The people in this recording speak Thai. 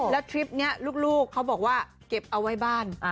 แล้วทริปนี้ลูกเขาบอกว่าเก็บเอาไว้บ้าน